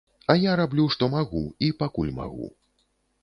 А я раблю што магу і пакуль магу.